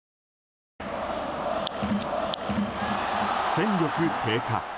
戦力低下。